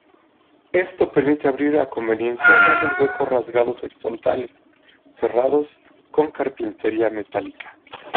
Esto permite abrir a conveniencia grandes huecos rasgados horizontales, cerrados con carpintería metálica.